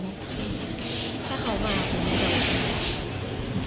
ถ้าเขามาขอขอบคุณค่ะ